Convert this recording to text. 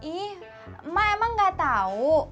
ih mak emang gak tau